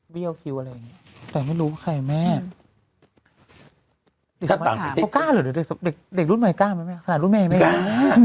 เบี้ยวคิวอะไรแต่ไม่รู้ใครแม่เด็กรุ่นใหม่กล้าไม่มีขนาด